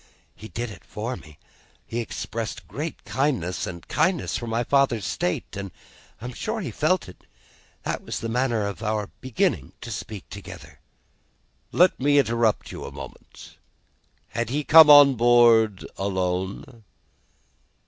He did it for me. He expressed great gentleness and kindness for my father's state, and I am sure he felt it. That was the manner of our beginning to speak together." "Let me interrupt you for a moment. Had he come on board alone?"